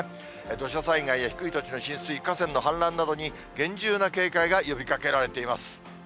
土砂災害や低い土地の浸水、河川の氾濫などに厳重な警戒が呼びかけられています。